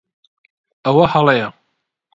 ئەوە ھەڵەیە.